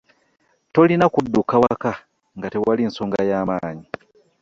Tolina kudduka waka nga tewali nsonga yamanyi.